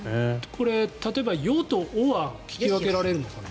これ、例えば「よ」と「お」は聞き分けられるのかな？